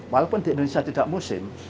walaupun di indonesia tidak musim